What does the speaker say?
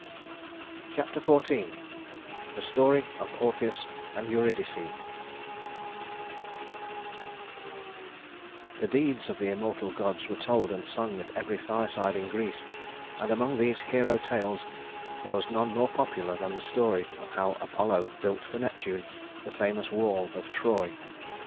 Chapter XIV The Story of Orpheus and Eurydice The deeds of the immortal gods were told and sung at every fireside in Greece; and among these hero tales there was none more popular than the story of how Apollo built for Neptune the famous wall of Troy.